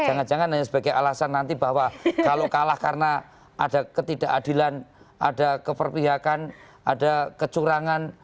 jangan jangan hanya sebagai alasan nanti bahwa kalau kalah karena ada ketidakadilan ada keperpihakan ada kecurangan